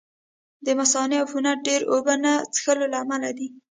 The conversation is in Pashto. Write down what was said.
د مثانې عفونت ډېرې اوبه نه څښلو له امله دی.